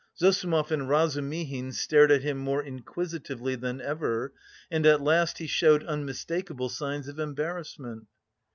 Zossimov and Razumihin stared at him more inquisitively than ever, and at last he showed unmistakable signs of embarrassment.